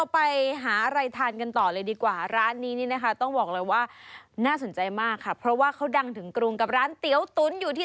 ไปหาอะไรทานกันต่อเลยดีกว่าร้านนี้นี่นะคะต้องบอกเลยว่าน่าสนใจมากค่ะเพราะว่าเขาดังถึงกรุงกับร้านเตี๋ยวตุ๋นอยู่ที่